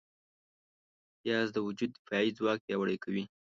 پیاز د وجود دفاعي ځواک پیاوړی کوي